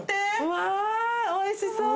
わあおいしそう！